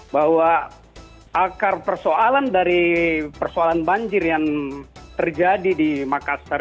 bahwa akar persoalan dari persoalan banjir yang terjadi di makassar